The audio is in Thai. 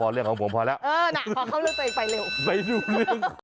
เออน่ะพอเข้ารู้ตัวเองไปเร็ว